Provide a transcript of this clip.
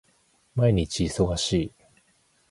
毎日忙しい